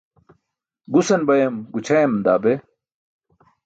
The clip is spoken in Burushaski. Gusan bayam gućʰayam daa be.